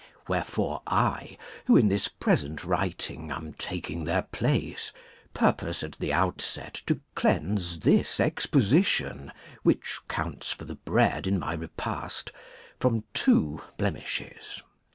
Where I. fore I, who in this present writing am taking their place, purpose at the outset to cleanse this exposition, which counts for the bread in my repast, from two blenushes.